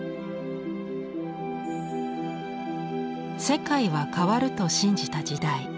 世界は変わると信じた時代。